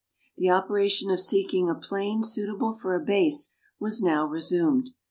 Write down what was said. The operation of seeking a plain suitable for a base was now resumed.